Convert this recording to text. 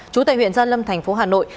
trú tại huyện gia lâm thành phố hà nội